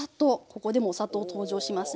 ここでもお砂糖登場しますね。